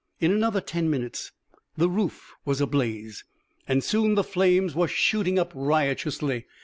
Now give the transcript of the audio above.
In another ten minutes the roof was ablaze, and soon the flames were shooting up riotously.